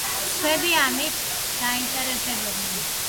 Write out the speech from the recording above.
სხვები ამით დაინტერესდებოდნენ.